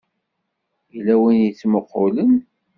Yella win i yettmuqqulen.